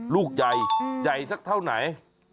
ลูกใหญ่ใหญ่สักเท่าไหน